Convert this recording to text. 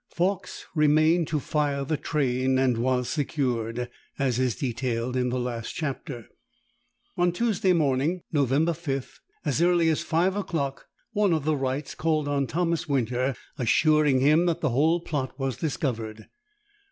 Fawkes remained to fire the train and was secured, as is detailed in the last chapter. On Tuesday morning, November 5th, as early as five o'clock, one of the Wrights called on Thomas Winter, assuring him that the whole plot was discovered.